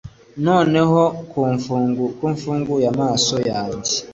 noneho ko mfunguye amaso yanjye